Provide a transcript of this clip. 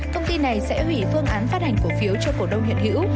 công ty này sẽ hủy phương án phát hành cổ phiếu cho cổ đông hiện hữu